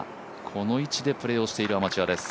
この位置でプレーをしているアマチュアです。